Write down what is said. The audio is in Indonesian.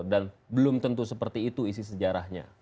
dan belum tentu seperti itu isi sejarahnya